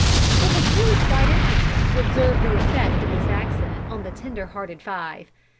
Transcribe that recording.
It was really quite interesting to observe the effect of this accident on the tender hearted five.